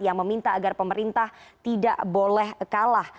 yang meminta agar pemerintah tidak boleh kalah